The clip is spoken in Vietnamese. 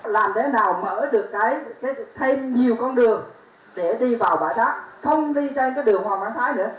làm để nào mở được thêm nhiều con đường để đi vào bãi giác không đi trên cái đường hoàng bản thái nữa